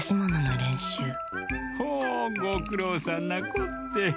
ほうごくろうさんなこって。